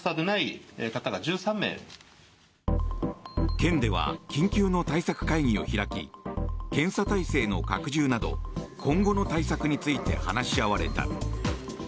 県では緊急の対策会議を開き検査体制の拡充など今後の対策について話し合われた。